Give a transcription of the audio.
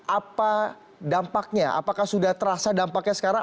apa dampaknya apakah sudah terasa dampaknya sekarang